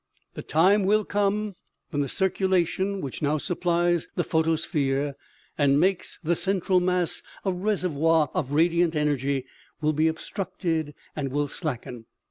The time will come when the circulation, which now supplies the photosphere, and makes the cen tral mass a reservoir of radiant energy, will be obstructed and will slacken.